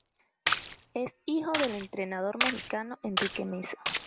Es hijo del entrenador mexicano Enrique Meza.